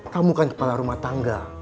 kamu kan kepala rumah tangga